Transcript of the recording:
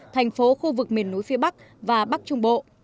thành phố khu vực miền núi phía bắc và bắc trung bộ